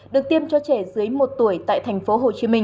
được tiêm cho trẻ dưới một tuổi tại thành phố hồ chí minh